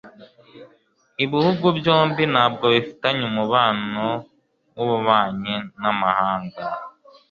ibihugu byombi ntabwo bifitanye umubano w'ububanyi n'amahanga